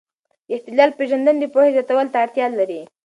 د اختلال پېژندنه د پوهې زیاتولو ته اړتیا لري.